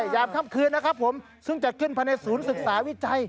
ยามค่ำคืนนะครับผมซึ่งจะขึ้นภายในศูนย์ศึกษาวิจัย